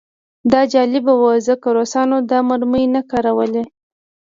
دا جالبه وه ځکه روسانو دا مرمۍ نه کارولې